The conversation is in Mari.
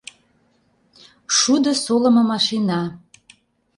Шудо солымо машина